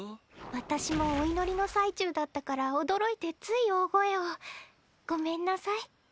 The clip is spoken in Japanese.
私もお祈りの最中だったから驚いてつい大声をごめんなさい